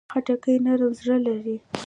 خټکی نرم زړه لري.